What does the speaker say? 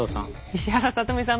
石原さとみさん